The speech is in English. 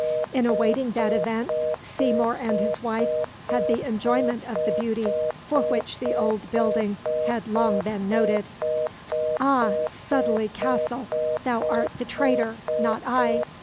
In awaiting that event Seymour and his wife had the enjoyment of the beauty for which the old building had long been noted. "Ah, Sudeley Castle, thou art the traitor, not I!"